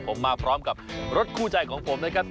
ผมมาพร้อมกับรถคู่ใจของผมนะครับ